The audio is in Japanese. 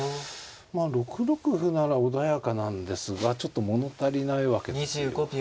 まあ６六歩なら穏やかなんですがちょっと物足りないわけです。